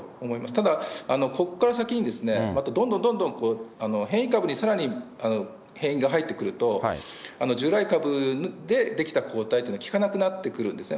ただ、ここから先に、またどんどんどんどん変異株に、さらに変異が入ってくると、従来株でできた抗体っていうのは効かなくなってくるんですね。